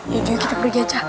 yaudah kita pergi aja